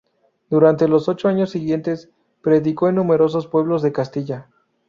Durante los ocho años siguientes, predicó en numerosos pueblos de Castilla.